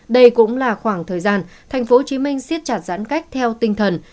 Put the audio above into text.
đây cũng là khoảng thời gian tp hcm siết chặt giãn cách theo tinh thần